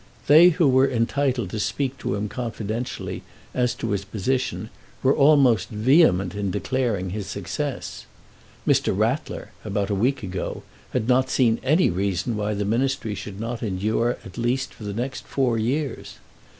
They who were entitled to speak to him confidentially as to his position, were almost vehement in declaring his success. Mr. Rattler, about a week ago, had not seen any reason why the Ministry should not endure at least for the next four years.